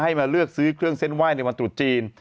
มาเลือกซื้อเครื่องเส้นไหว้ในวันตรุษจีน